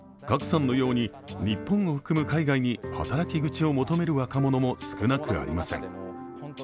カクさんのように日本を含む海外に働き口を求める若者も少なくありません。